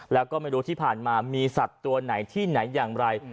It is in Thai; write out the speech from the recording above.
แล้วก็ไม่รู้ที่ผ่านมามีสัตว์ตัวไหนที่ไหนอย่างไร